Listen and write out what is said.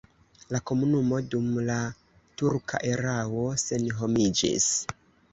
La komunumo dum la turka erao senhomiĝis.